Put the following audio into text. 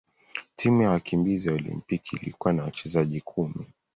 Timu ya wakimbizi ya Olimpiki ilikuwa na wachezaji kumi.